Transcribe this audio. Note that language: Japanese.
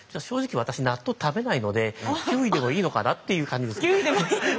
正直私納豆を食べないので９位でもいいのかなっていう感じです。